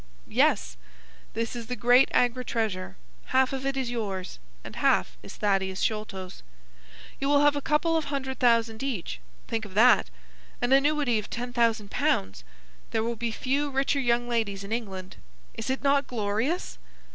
"Yes, this is the great Agra treasure. Half of it is yours and half is Thaddeus Sholto's. You will have a couple of hundred thousand each. Think of that! An annuity of ten thousand pounds. There will be few richer young ladies in England. Is it not glorious?"